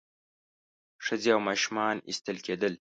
ښځې او ماشومان ایستل کېدل.